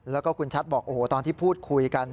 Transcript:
แล้วก็คุณชัดบอกโอ้โหตอนที่พูดคุยกัน